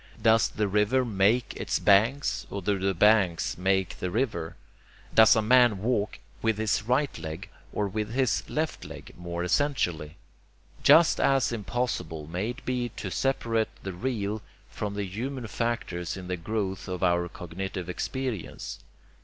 Does the river make its banks, or do the banks make the river? Does a man walk with his right leg or with his left leg more essentially? Just as impossible may it be to separate the real from the human factors in the growth of our cognitive experience.